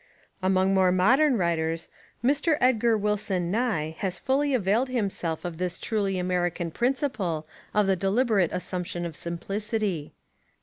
Among more modern writers Mr. Edgar Wilson Nye has fully availed himself of this truly American principle of the deliberate as sumption of simplicity.